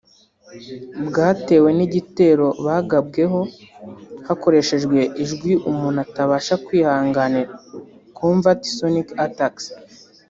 bwatewe n’igitero bagabweho hakoreshejwe ijwi umuntu atabasha kwihanganira (covert sonic attacks)